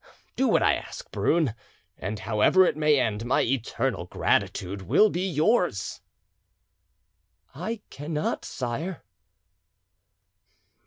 Do what I ask, Brune, and however it may end, my eternal gratitude will be yours!" "I cannot, sire."